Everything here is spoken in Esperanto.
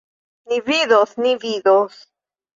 Ni vidos, ni vidos!